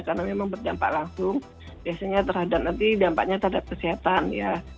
karena memang berdampak langsung biasanya terhadap nanti dampaknya terhadap kesehatan ya